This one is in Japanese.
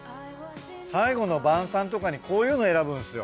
最後の晩さんとかにこういうの選ぶんすよ。